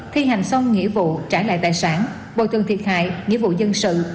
thi hành xong nghĩa vụ